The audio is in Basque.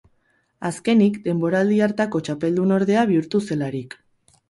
Azkenik, denboraldi hartako txapeldunordea bihurtu zelarik.